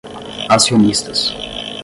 acionistas